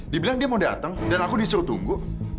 dibilang dia mau datang dan aku disuruh tunggu